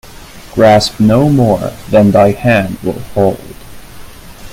Grasp no more than thy hand will hold.